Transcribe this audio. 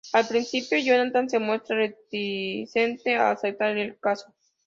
Al principio Jonathan se muestra reticente a aceptar el caso.